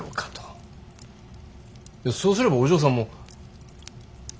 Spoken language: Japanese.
そうすればお嬢さんも。